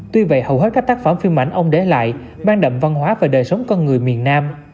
tuy vậy hầu hết các tác phẩm phim ảnh ông để lại mang đậm văn hóa và đời sống con người miền nam